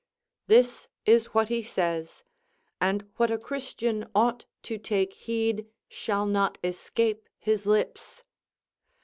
This is what he says, and what a Christian ought to take heed shall not escape his lips.